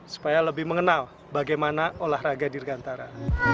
supaya lebih mengenal bagaimana olahraga dirgantara